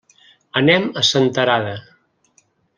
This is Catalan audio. Anem a Senterada.